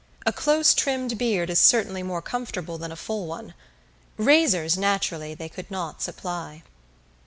A close trimmed beard is certainly more comfortable than a full one. Razors, naturally, they could not supply.